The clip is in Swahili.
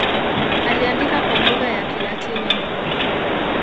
Aliandika kwa lugha ya Kilatini.